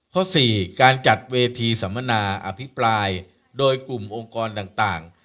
ข้อสี่การจัดเวทีสัมมนาอภิปรายโดยกลุ่มองค์กรต่าง